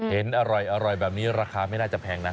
เห็นอร่อยแบบนี้ราคาไม่น่าจะแพงนะ